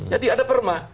jadi ada perma